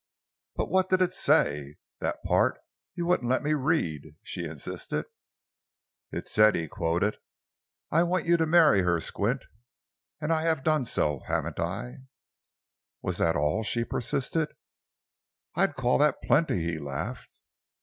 "But what did it say—that part that you wouldn't let me read?" she insisted. "It said," he quoted, "'I want you to marry her, Squint.' And I have done so—haven't I?" "Was that all?" she persisted. "I'd call that plenty!" he laughed.